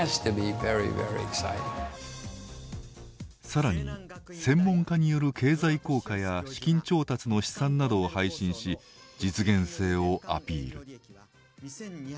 さらに、専門家による経済効果や資金調達の試算などを配信し実現性をアピール。